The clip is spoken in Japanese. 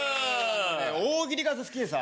俺大喜利が好きでさ。